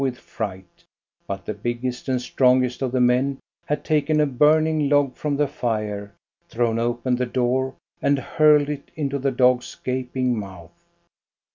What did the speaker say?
20l with fright; but the biggest and strongest of the men had taken a burning log from the fire, thrown open the door, and hurled it into the dog's gaping mouth.